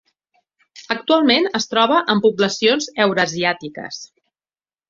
Actualment es troba en poblacions eurasiàtiques.